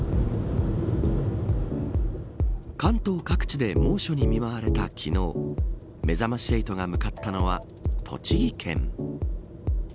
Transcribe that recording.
関東各地で猛暑に見舞われた昨日めざまし８が向かったのは栃木県。